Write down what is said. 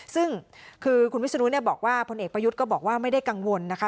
ซึ่งคือคุณวิศนุบอกว่าพลเอกประยุทธ์ก็บอกว่าไม่ได้กังวลนะคะ